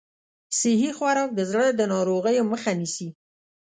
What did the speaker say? صحي خوراک د زړه د ناروغیو مخه نیسي.